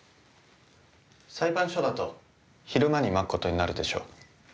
裁判所だと昼間にまくことになるでしょう。